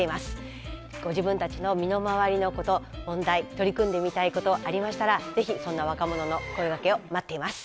ご自分たちの身の回りのこと問題取り組んでみたいことありましたら是非そんな若者の声がけを待っています。